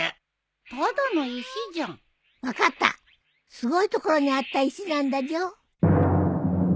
すごいところにあった石なんだじょ。